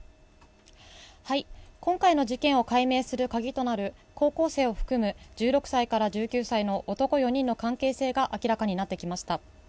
今回の事件を解明する鍵となる高校生を含む１６歳から１９歳の男４人の関係性が明らかになってきました。